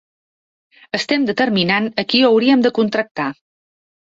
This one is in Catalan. Estem determinant a qui hauríem de contractar.